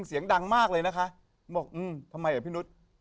เสียงดังมากเลยนะคะบอกอืมทำไมอ่ะพี่นุษย์